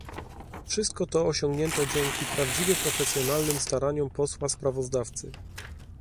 Wszystko to osiągnięto dzięki prawdziwie profesjonalnym staraniom posła sprawozdawcy